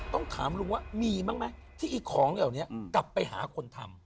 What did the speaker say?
ต้องถามลุงว่ามีบ้างไหมที่ของเหล่านี้กลับไปหาคนทำ